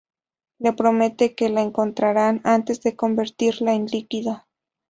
Le promete que la encontrarán antes de convertirla en líquido.